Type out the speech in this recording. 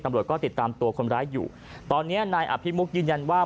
ตำรวจก็ติดตามตัวคนร้ายอยู่ตอนเนี้ยนายอภิมุกยืนยันว่า